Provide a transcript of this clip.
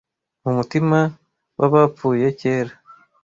mu mutima w'abapfuye kera